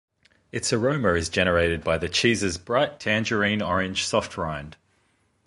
Its aroma is generated by the cheese's bright tangerine-orange soft rind.